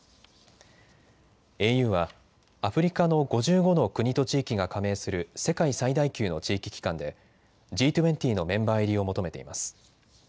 ＡＵはアフリカの５５の国と地域が加盟する世界最大級の地域機関でＧ２０のメンバー入りを求めています。